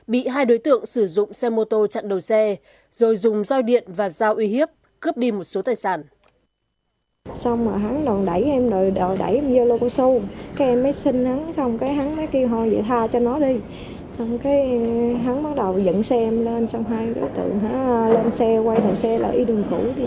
bị hai đối tượng sử dụng xe mô tô chặn đầu xe rồi dùng doi điện và dao uy hiếp cướp đi một số tài sản